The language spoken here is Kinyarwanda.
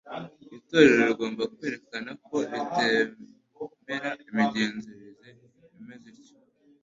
Itorero rigomba kwerekana ko ritemera imigenzereze imeze ityo;